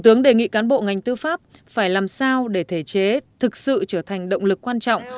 tướng đề nghị cán bộ ngành tư pháp phải làm sao để thể chế thực sự trở thành động lực quan trọng